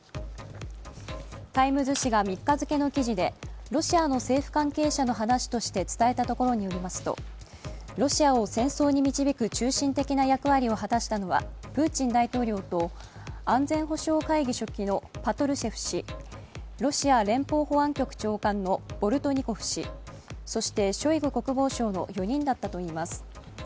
「タイムズ」紙が３日付の記事でロシアの政府関係者の話として伝えたところによりますとロシアを戦争に導く中心的な役割を果たしたのはプーチン大統領と安全保障会議書記のパトルシェフ氏、ロシア連邦保安局長官のボルトニコフ氏そしてショイグ国防相の４人だったといいます。